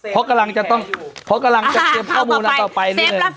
เพราะกำลังจะเตรียมข้อมูลต่อไป